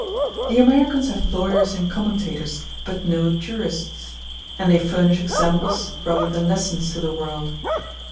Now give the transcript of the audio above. The Americans have lawyers and commentators, but no jurists; *h and they furnish examples rather than lessons to the world.